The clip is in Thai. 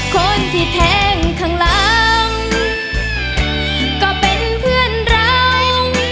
คนที่แทงข้างหลังก็เป็นเพื่อนเรา